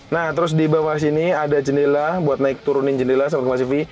nah terus di bawah sini ada jendela buat naik turunin jendela sahabat kemasivi